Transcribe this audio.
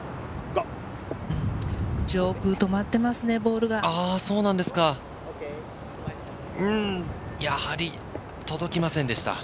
上空、止まってますね、やはり届きませんでした。